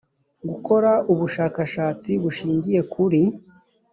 gukora ubushakashatsi bushingiye kuri